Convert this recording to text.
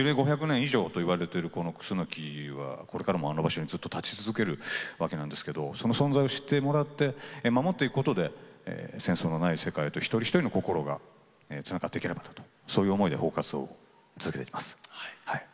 ５００年以上といわれてるこのクスノキはこれからもあの場所にずっと立ち続けるわけなんですけどその存在を知ってもらって守っていくことで戦争のない世界と一人一人の心がつながっていければなとそういう思いで保護活動を続けていきます。